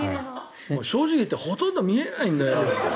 正直言ってほとんど見えないんだよ。